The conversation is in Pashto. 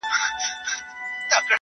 وفا سمندر ځانګړی ليکوال دئ,